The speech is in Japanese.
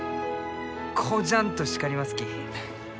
こじゃんと叱りますき。